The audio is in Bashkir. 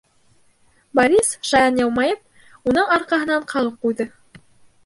Борис, шаян йылмайып, уның арҡаһынан ҡағып ҡуйҙы: